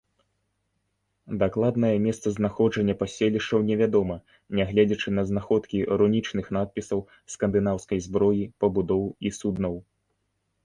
Дакладнае месцазнаходжанне паселішчаў невядома, нягледзячы на знаходкі рунічных надпісаў, скандынаўскай зброі, пабудоў і суднаў.